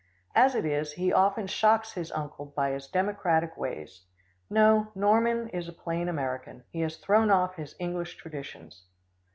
As it is, he often shocks his uncle by his democratic ways. No Norman is a plain American. He has thrown off his English traditions."